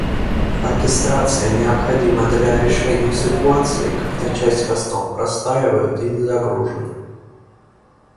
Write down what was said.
Оркестрация необходима для решения ситуации, когда часть хостов простаивают и не загружены